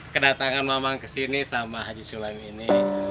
kedatangan mama kesini sama haji sulam ini